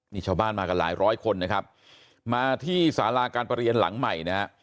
นี่ชาวบ้านมากันหลายร้อยคนนะครับมาที่สาราการประเรียนหลังใหม่นะฮะ